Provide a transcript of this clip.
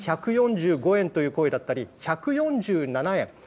１４５円という声だったり１４７円。